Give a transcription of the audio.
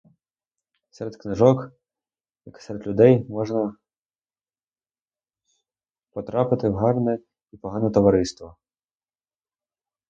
Серед книжок, як і серед людей, можна потрапити в гарне і погане товариство.